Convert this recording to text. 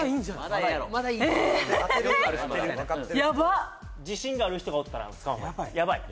やばっ自信がある人がおったら使わんやばい？